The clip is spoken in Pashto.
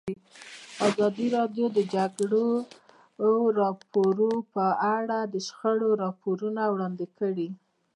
ازادي راډیو د د جګړې راپورونه په اړه د شخړو راپورونه وړاندې کړي.